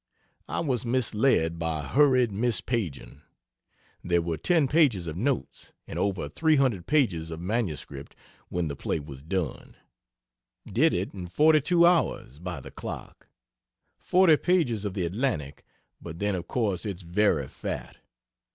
I was misled by hurried mis paging. There were ten pages of notes, and over 300 pages of MS when the play was done. Did it in 42 hours, by the clock; 40 pages of the Atlantic but then of course it's very "fat."